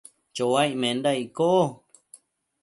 chouaic menda icco ?